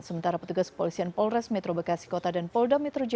sementara petugas kepolisian polres metro bekasi kota dan polda metro jaya